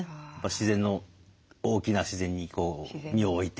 自然の大きな自然にこう身を置いて。